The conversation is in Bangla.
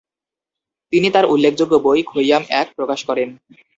তিনি তার উল্লেখযোগ্য বই খৈয়াম এক প্রকাশ করেন।